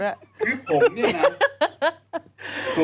ผมเนี้ยนะ